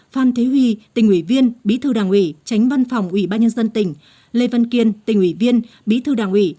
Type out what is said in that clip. phan thế huy tỉnh ủy viên bí thư đảng ủy tránh văn phòng ủy ban nhân dân tỉnh lê văn kiên tỉnh ủy viên bí thư đảng ủy